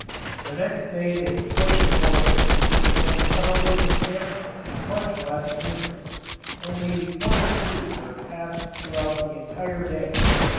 The next day they pushed forward, and found those encampments much less numerous only one or two were passed throughout the entire day.